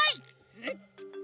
えっ？